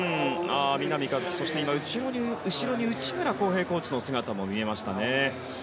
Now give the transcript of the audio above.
南一輝、そして後ろに内村航平コーチの姿が見えましたね。